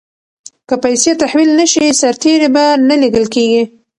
که پیسې تحویل نه شي سرتیري به نه لیږل کیږي.